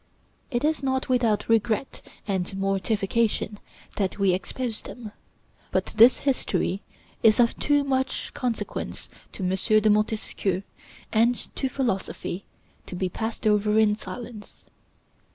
It is not without regret and mortification that we expose them; but this history is of too much consequence to M. de Montesquieu and to philosophy to be passed over in silence.